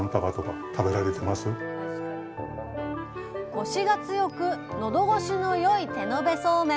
コシが強くのどごしの良い手延べそうめん。